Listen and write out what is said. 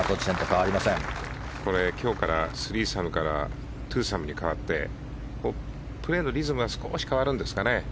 これ、今日から３サムから２サムに変わってプレーのリズムが変わるんですかね。